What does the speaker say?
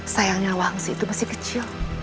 sayangnya wangsi itu masih kecil